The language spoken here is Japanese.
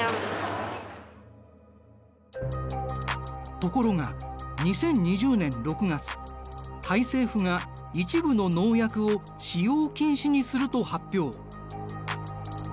ところが２０２０年６月タイ政府が一部の農薬を使用禁止にすると発表。